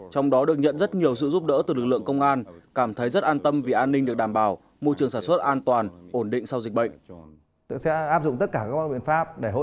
trong đó được nhận rất nhiều sự giúp đỡ từ lực lượng công an cảm thấy rất an tâm vì an ninh được đảm bảo môi trường sản xuất an toàn ổn định sau dịch bệnh